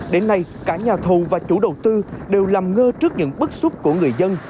đến nay cả nhà thù và chủ đầu tư đều làm ngơ trước những bất xúc của người dân